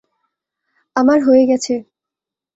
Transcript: আমার হয়ে গেছে।